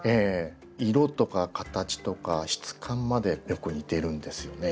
色とか形とか質感までよく似てるんですよね。